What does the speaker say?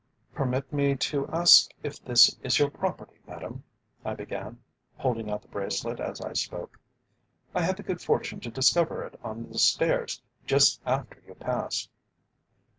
"Permit me to ask if this is your property, madam?" I began, holding out the bracelet as I spoke. "I had the good fortune to discover it on the stairs just after you passed."